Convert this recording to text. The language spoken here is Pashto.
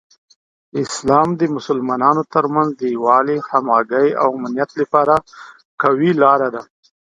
اسلام د مسلمانانو ترمنځ د یووالي، همغږۍ، او امنیت لپاره یوه قوي لاره ده.